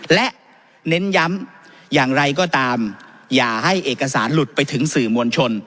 และเน้นย้ำอย่างไรก็ตามอย่าให้เอกสารหลุดไปถึงสื่อมวลชน